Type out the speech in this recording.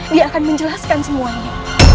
dia akan menjelaskan semuanya